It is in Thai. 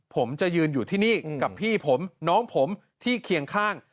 ผมจะยืนอยู่ที่นี่กับพี่ผมน้องผมที่เคียงข้าง